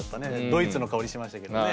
ドイツの香りしましたけどね。